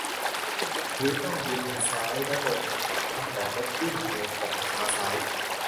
หรือต้อง ยืนทางซ้าย แล้วเดินทางขวา ? แบบรถวิ่ง เร็วขวา-ช้าซ้าย ?